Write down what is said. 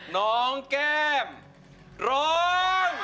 น้องแก้มร้อง